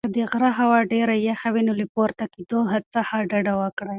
که د غره هوا ډېره یخه وي نو له پورته کېدو څخه ډډه وکړئ.